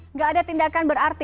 nggak ada tindakan berarti